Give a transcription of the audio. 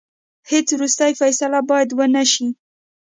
هیڅ وروستۍ فیصله باید ونه سي.